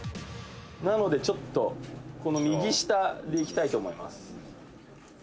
「なのでちょっとこの右下でいきたいと思います」